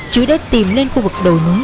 trứng đã tìm lên khu vực đầu núi